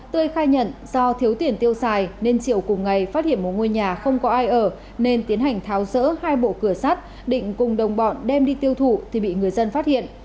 tươi khai nhận do thiếu tiền tiêu xài nên chiều cùng ngày phát hiện một ngôi nhà không có ai ở nên tiến hành tháo rỡ hai bộ cửa sắt định cùng đồng bọn đem đi tiêu thụ thì bị người dân phát hiện